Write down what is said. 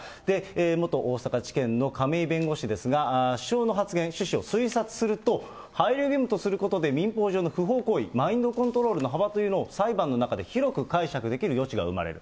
元大阪地検の亀井弁護士ですが、首相の発言の趣旨を推察すると、配慮義務とすることで、民法上の不法行為、マインドコントロールの幅というのを裁判の中で広く解釈できる余地が生まれる。